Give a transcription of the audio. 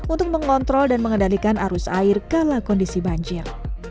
untuk mengontrol dan mengendalikan arus air kala kondisi banjir